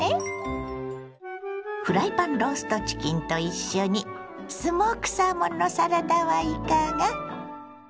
フライパンローストチキンと一緒にスモークサーモンのサラダはいかが。